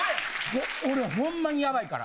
俺ホンマにヤバイから。